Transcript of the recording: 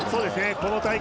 この大会